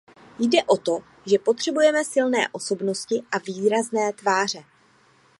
Jde o to, že potřebujeme silné osobnosti a výrazné tváře.